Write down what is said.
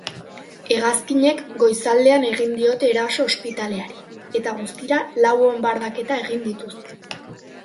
Hegazkinek goizaldean egin diote eraso ospitaleari, eta guztira lau bonbardaketa egin dituzte.